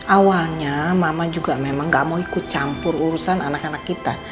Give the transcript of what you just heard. awalnya mama juga memang gak mau ikut campur urusan anak anak kita